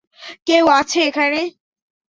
কেউ আছে এখানে?